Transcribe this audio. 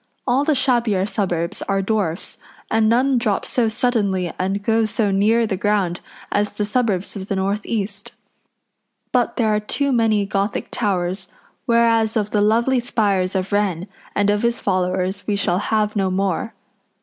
All the shabbier suburbs are dwarfs, and none drop so suddenly and go so near the ground as the suburbs of the north east. But there are too many Gothic towers; whereas of the lovely spires of Wren and of his followers we shall have no more.